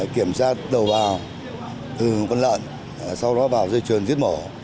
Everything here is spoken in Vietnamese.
kiểm soát đầu vào từ con lợn sau đó vào dây trường giết mổ